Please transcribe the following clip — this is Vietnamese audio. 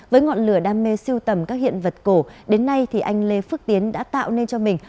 với ngọn lửa đam mê siêu tầm các hiện vật cổ đến nay thì anh lê phước tiến đã tạo nên cho mình